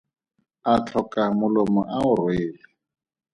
A tlhoka molomo a o rwele.